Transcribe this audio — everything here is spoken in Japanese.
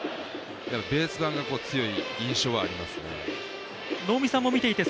ベース板が強いイメージはありますね。